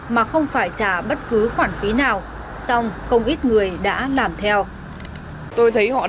mà không phải trả bất cứ khoản phí nào song không ít người đã làm theo